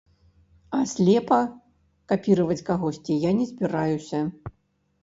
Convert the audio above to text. А слепа капіраваць кагосьці я не збіраюся.